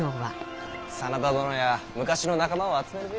真田殿や昔の仲間を集めるべぇ。